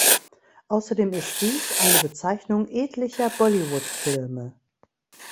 Außerdem ist dies eine Bezeichnung etlicher Bollywoodfilme